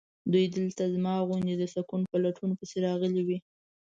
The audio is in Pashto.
دوی دلته زما غوندې د سکون په لټون پسې راغلي وي.